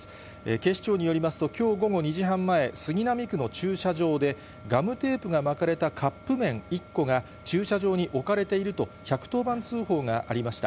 警視庁によりますと、きょう午後２時半前、杉並区の駐車場で、ガムテープが巻かれたカップ麺１個が駐車場に置かれていると、１１０番通報がありました。